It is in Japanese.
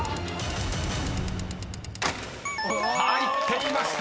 ［入っていました！